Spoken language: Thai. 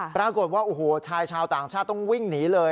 ปรากฏว่าโอ้โหชายชาวต่างชาติต้องวิ่งหนีเลย